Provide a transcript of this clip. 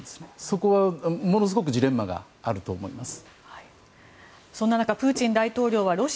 そこはものすごくジレンマがあると思います。